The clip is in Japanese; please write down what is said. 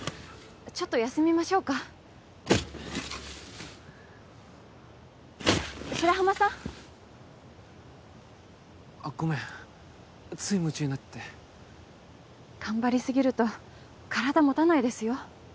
ちょっと休みましょうか白浜さん！あっごめんつい夢中になって頑張りすぎると体持たないですよ